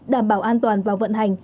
đảm bảo an toàn vào vận hành